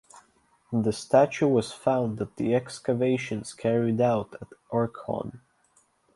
The statue was found at the excavations carried out at Orkhon.